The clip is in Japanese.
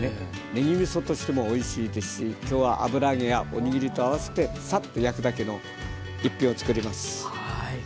ねぎみそとしてもおいしいですし今日は油揚げやおにぎりと合わせてサッと焼くだけの一品を作ります。